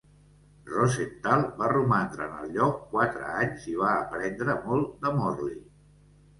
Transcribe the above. Rosenthal va romandre en el lloc quatre anys i va aprendre molt de Morley.